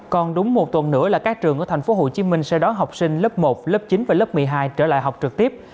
còn đúng một tuần nữa là các trường ở tp hcm sẽ đón học sinh lớp một lớp chín và lớp một mươi hai trở lại học trực tiếp